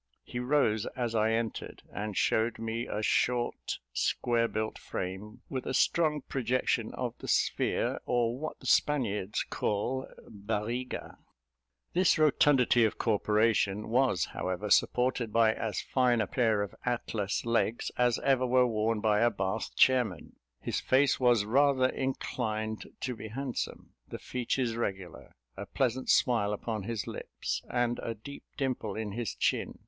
He rose as I entered, and shewed me a short, square built frame, with a strong projection of the sphere, or what the Spaniards call bariga. This rotundity of corporation was, however, supported by as fine a pair of Atlas legs as ever were worn by a Bath chairman. His face was rather inclined to be handsome; the features regular, a pleasant smile upon his lips, and a deep dimple in his chin.